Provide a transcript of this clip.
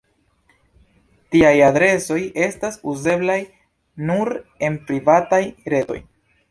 Tiaj adresoj estas uzeblaj nur en "privataj" retoj.